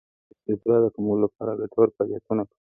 زه د اضطراب د کمولو لپاره ګټور فعالیتونه کوم.